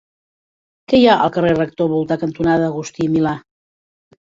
Què hi ha al carrer Rector Voltà cantonada Agustí i Milà?